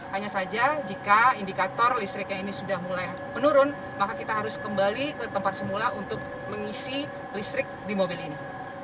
hanya saja jika indikator listriknya ini sudah mulai menurun maka kita harus kembali ke tempat semula untuk mengisi listrik di mobil ini